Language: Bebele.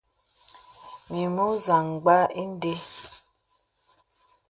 Mì mɔ̄ zàmgbā ìndē.